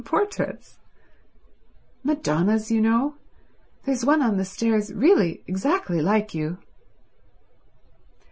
"Portraits?" "Madonnas, you know. There's one on the stairs really exactly like you."